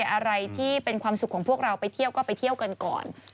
อะไรที่เป็นความสุขของพวกเราไปเที่ยวก็ไปเที่ยวกันก่อน